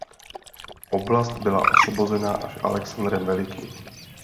Oblast byla osvobozena až Alexandrem Velikým.